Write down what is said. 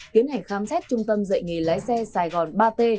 tiến hành khám xét trung tâm dạy nghề lái xe sài gòn ba t